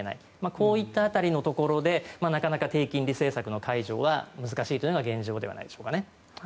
こういった辺りのところでなかなか低金利政策の解除は難しいというのが現状ではないでしょうか。